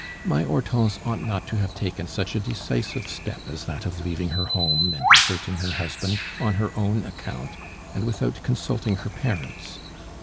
My Hortense ought not to have taken such a decisive step as that of leaving her house and deserting her husband on her own account, and without consulting her parents.